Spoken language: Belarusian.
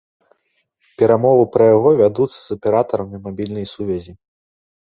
Перамовы пра яго вядуцца з аператарамі мабільнай сувязі.